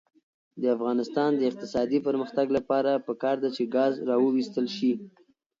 د افغانستان د اقتصادي پرمختګ لپاره پکار ده چې ګاز راوویستل شي.